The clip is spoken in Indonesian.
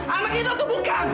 anak edo itu bukan